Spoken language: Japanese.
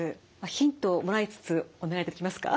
ヒントもらいつつお願いできますか？